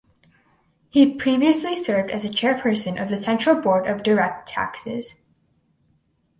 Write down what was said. He previously served as the Chairperson of the Central Board of Direct Taxes.